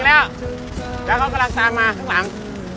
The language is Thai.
แล้วเขากำลังตามมาข้างหลัง